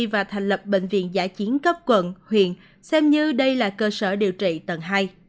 và thành lập bệnh viện giã chiến cấp quận huyện xem như đây là cơ sở điều trị tầng hai